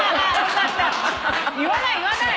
言わない言わない。